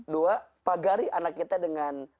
dua pagari anak kita dengan